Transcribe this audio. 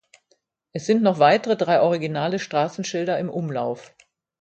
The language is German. Es sind noch weitere drei originale Straßenschilder im Umlauf.